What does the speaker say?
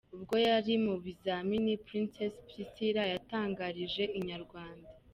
Ubwo yari mu bizamini , Princess Priscillah yatangarije inyarwanda.